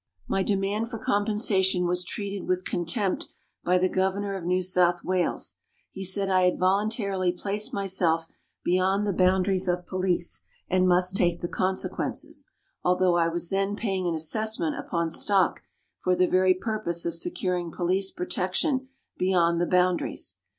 My demand for compensation was treated with contempt by the Governor of New South Wales ; he said I had voluntarily placed myself beyond the boundaries of police, and must take the consequences, although I was then paying an assessment upon stock for the very purpose of securing police protection beyond the boundaries.